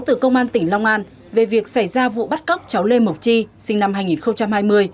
từ công an tỉnh long an về việc xảy ra vụ bắt cóc cháu lê mộc chi sinh năm hai nghìn hai mươi